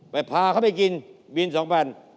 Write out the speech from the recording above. พาเขาไปกินบิน๒๐๐บาท